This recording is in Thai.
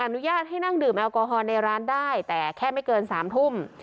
อนุญาตให้นั่งดื่มแอลกอฮอลในร้านได้แต่แค่ไม่เกิน๓ทุ่ม